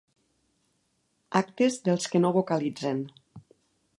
Actes dels que no vocalitzen.